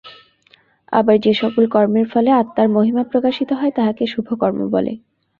আবার যে-সকল কর্মের ফলে আত্মার মহিমা প্রকাশিত হয়, তাহাকে শুভ কর্ম বলে।